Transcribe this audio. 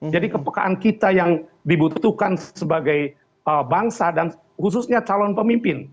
jadi kepekaan kita yang dibutuhkan sebagai bangsa dan khususnya calon pemimpin